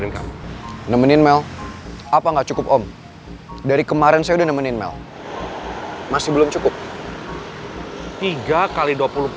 kamu nemenin mel